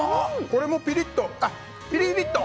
これもピリリッと。